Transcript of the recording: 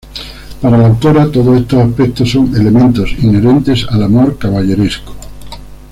Para la autora todos estos aspectos son elementos inherentes al amor caballeresco.